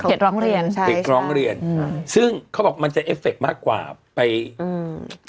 ร้องเรียนใช่เด็กร้องเรียนอืมซึ่งเขาบอกมันจะเอฟเคมากกว่าไปอืม